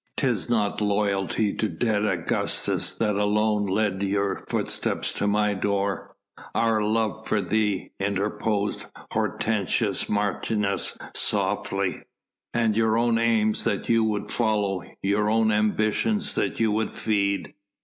'Tis not loyalty to dead Augustus that alone led your footsteps to my door." "Our love for thee," interposed Hortensius Martius softly. "And your own aims that you would follow, your own ambitions that you would feed."